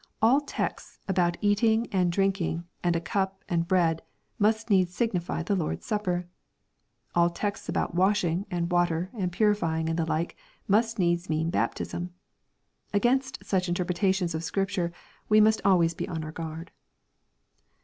All texts about eating, and drinking, and a cup, and bread, must needs signify the Lord's Supper I All texts about washing, and water, and purifying, and the like, must needs mean baptism I Against such interpretations of Scripture we must always be on our guard.